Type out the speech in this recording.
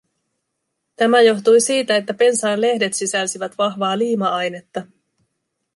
Tämä johtui siitä, että pensaan lehdet sisälsivät vahvaa liima-ainetta.